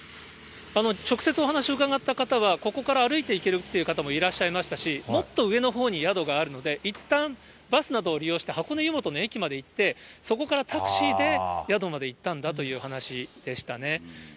直接お話を伺った方は、ここから歩いて行けるという方もいらっしゃいましたし、もっと上のほうに宿があるんで、いったんバスなどを利用して、箱根湯本の駅まで行って、そこからタクシーで宿まで行ったんだという話でしたね。